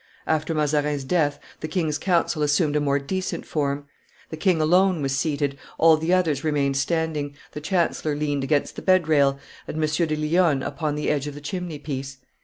After Mazarin's death the king's council assumed a more decent form. The king alone was seated, all the others remained standing, the chancellor leaned against the bedrail, and M. de Lionne upon the edge of the chimney piece.